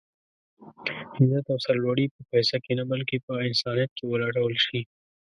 عزت او سر لوړي په پيسه کې نه بلکې په انسانيت کې ولټول شي.